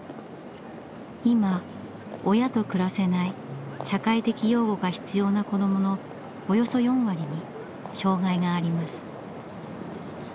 今親と暮らせない社会的養護が必要な子どものおよそ４割に障害があります。